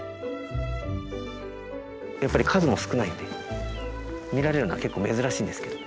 やっぱり数も少ないんで見られるのは結構珍しいんですけど。